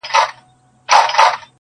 د کسمیر لوري د کابل او د ګواه لوري.